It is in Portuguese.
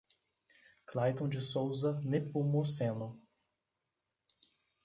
Claiton de Souza Nepomuceno